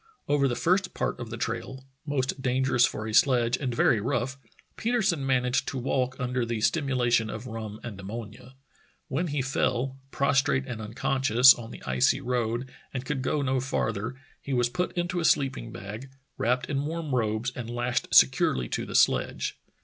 Over the first part of the trail — most dangerous for a sledge and very rough — Petersen managed to walk under the stimula tion of rum and ammonia. When he fell, prostrate and unconscious, on the icy road and could go no farther, he was put into a sleeping bag, wrapped in warm robes, and lashed securely to the sledge.